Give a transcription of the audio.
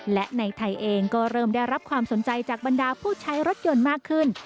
และในไทยเองก็เริ่มได้รับความสนใจจากบรรดาผู้ใช้รถยนต์มากขึ้น